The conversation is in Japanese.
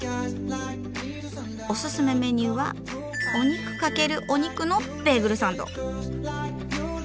オススメメニューは「お肉×お肉」のベーグルサンド。